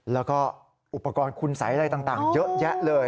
แล้วก็อุปกรณ์คุณสัยอะไรต่างเยอะแยะเลย